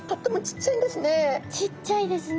ちっちゃいですね。